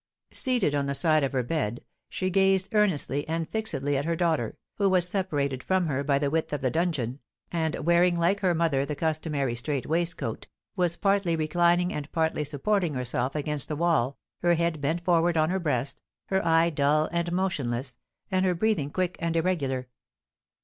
Seated at the side of her bed, she gazed earnestly and fixedly at her daughter, who was separated from her by the width of the dungeon, and, wearing like her mother the customary strait waistcoat, was partly reclining and partly supporting herself against the wall, her head bent forward on her breast, her eye dull and motionless, and her breathing quick and irregular.